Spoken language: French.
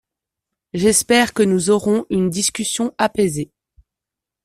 J’espère que nous aurons une discussion apaisée.